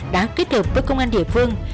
đã kết hợp với công an địa phương